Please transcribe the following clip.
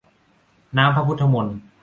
น้ำพระพุทธมนต์